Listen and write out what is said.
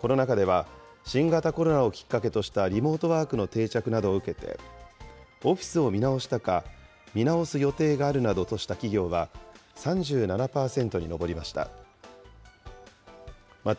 この中では、新型コロナをきっかけとしたリモートワークの定着などを受けて、オフィスを見直したか、見直す予定があるなどとした企業は３７％に上りました。